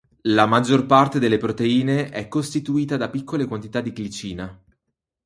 La maggior parte delle proteine è costituita da piccole quantità di glicina.